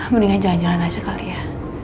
mendingan jalan jalan aja kali ya